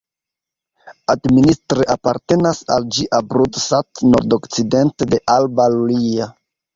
Administre apartenas al ĝi Abrud-Sat nordokcidente de Alba Iulia.